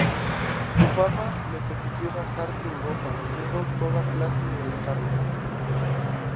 Su fama le permitió viajar por Europa haciendo toda clase de encargos.